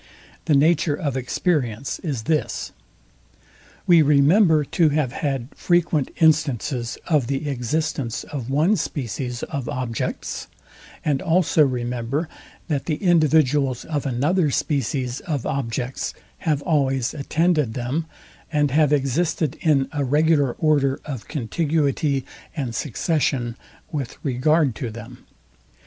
The nature of experience is this. We remember to have had frequent instances of the existence of one species of objects; and also remember, that the individuals of another species of objects have always attended them, and have existed in a regular order of contiguity and succession with regard to them.